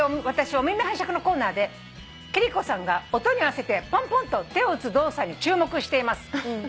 私『お耳拝借』のコーナーで貴理子さんが音に合わせてポンポンと手を打つ動作に注目しています」